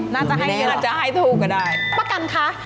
น่าจะให้เยอะเหรอป้ากันค่ะน่าจะให้ถูกก็ได้